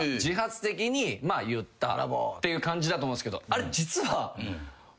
っていう感じだと思うんすけどあれ。